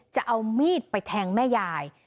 จะเอามีดไปแทงแม่ยาย